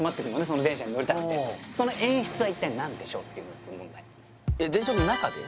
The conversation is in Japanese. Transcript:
その電車に乗りたくてその演出は一体何でしょう？っていうのが問題電車の中で？